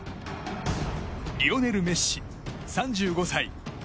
リオネル・メッシ、３５歳。